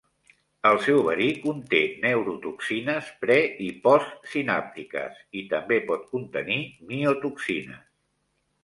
El seu verí conté neurotoxines pre- i postsinàptiques, i també pot contenir miotoxines.